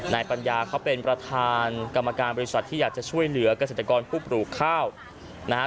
ปัญญาเขาเป็นประธานกรรมการบริษัทที่อยากจะช่วยเหลือกเกษตรกรผู้ปลูกข้าวนะฮะ